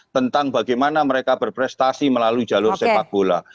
tentang bagaimana mereka berprestasi melalui jalur sepak bola